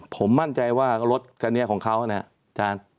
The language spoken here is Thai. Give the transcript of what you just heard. ผมมั่นใจว่ารถคันนี้ของเขาเนี่ย